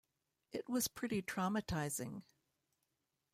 It was pretty traumatizing.